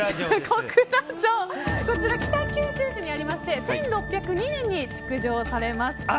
こちらは北九州市にありまして１６０２年に築城されました。